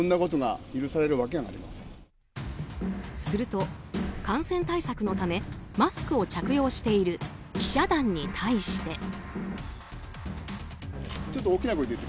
すると、感染対策のためマスクを着用している記者団に対して。